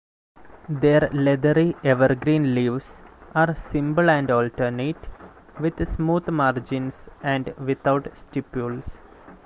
Their leathery, evergreen leaves are simple and alternate, with smooth margins and without stipules.